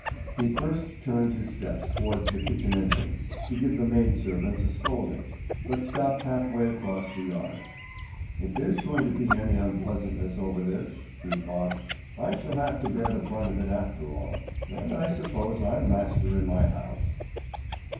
He first turned his steps towards the kitchen entrance, to give the maid servants a scolding, but stopped half way across the yard. "If there's going to be any unpleasantness over this," he thought, "I shall have to bear the brunt of it after all, and I suppose I'm master in my house."